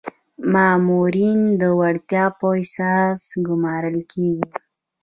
مامورین د وړتیا په اساس ګمارل کیږي